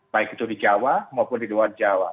baik itu di jawa maupun di luar jawa